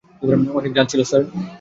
অনেক ঝাল ছিলো, স্যার?